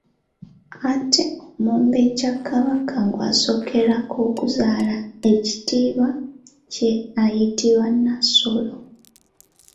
Ate omumbejja kabaka gw'asookerako okuzaala, ekitiibwa kye ayitibwa Nassolo.